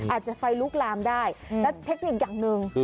อาจจะไฟลุกลามได้และเทคนิคอย่างหนึ่ง